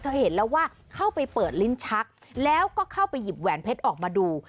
เห็นแล้วว่าเข้าไปเปิดลิ้นชักแล้วก็เข้าไปหยิบแหวนเพชรออกมาดู